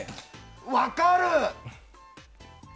分かる！